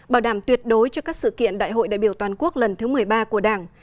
bảo đảm tuyệt đối cho các sự kiện đại hội đại biểu toàn quốc lần thứ một mươi ba của đảng